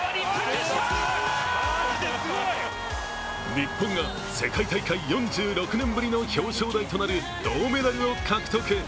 日本が世界大会４６年ぶりの表彰台となる銅メダルを獲得。